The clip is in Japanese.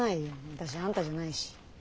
私あんたじゃないし。